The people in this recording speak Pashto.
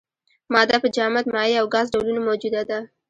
ماده په جامد، مایع او ګاز ډولونو موجوده ده.